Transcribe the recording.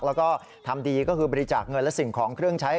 แล้วก็ทำดีก็คือบริจาคเงินและสิ่งของเครื่องใช้